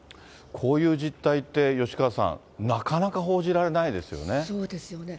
こういう実態って、吉川さん、なかなか報じられないですよね。